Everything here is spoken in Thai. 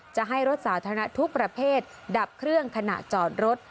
จะให้รถสาธารณะทุกประเภทดับเครื่องขณะจอดรถ